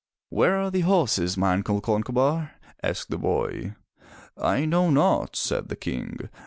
"Where are the horses, my uncle Concobar?" asked the boy. "I know not,'' said the King.